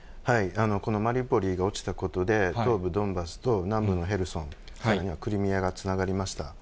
このマリウポリが落ちたことで、東部ドンバスと南部のヘルソン、クリミアがつながりました。